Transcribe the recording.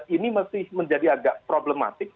ini masih menjadi agak problematik